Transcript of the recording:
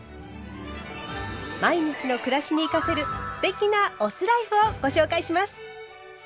毎日の暮らしに生かせる“酢テキ”なお酢ライフをご紹介します。